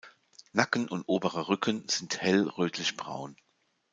Nacken und oberer Rücken sind hell rötlich braun.